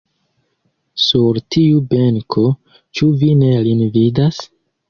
Sur tiu benko, ĉu vi ne lin vidas!